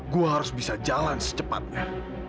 gue harus bisa jalan secepatnya